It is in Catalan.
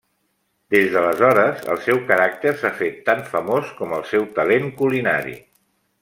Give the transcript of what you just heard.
Des d'aleshores el seu caràcter s'ha fet tan famós com el seu talent culinari.